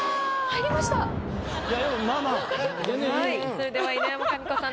それでは犬山紙子さん